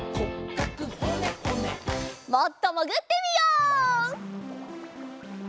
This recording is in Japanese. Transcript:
もっともぐってみよう！